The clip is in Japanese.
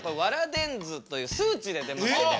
電図という数値で出ますので。